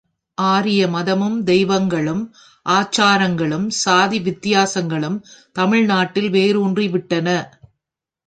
ஆரிய மதமும் தெய்வங்களும் ஆசாரங்களும் சாதி வித்தியாசங்களும் தமிழ் நாட்டில் வேரூன்றிவிட்டன.